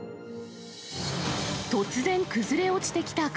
突然、崩れ落ちてきた壁。